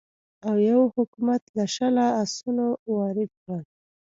اویو حکومت له شله اسونه وارد کړل.